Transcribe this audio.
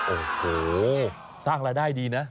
โอ้โหสร้างรายได้ดีนะ